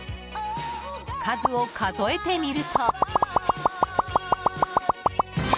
数を数えてみると。